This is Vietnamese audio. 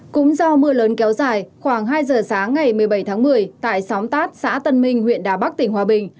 cũng do mưa lớn kéo dài khoảng hai giờ sáng ngày một mươi bảy tháng một mươi tại xóm tát xã tân minh huyện đà bắc tỉnh hòa bình